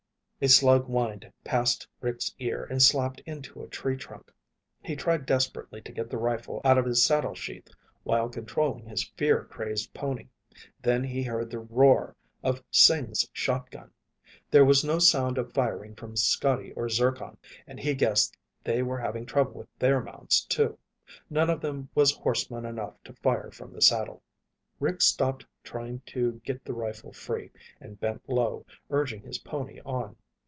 A slug whined past Rick's ear and slapped into a tree trunk. He tried desperately to get the rifle out of his saddle sheath while controlling his fear crazed pony. Then he heard the roar of Sing's shotgun. There was no sound of firing from Scotty and Zircon, and he guessed they were having trouble with their mounts, too. None of them was horseman enough to fire from the saddle. Rick stopped trying to get the rifle free and bent low, urging his pony on.